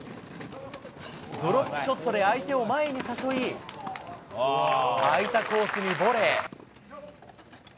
ドロップショットで相手を前に誘い、あいたコースにボレー。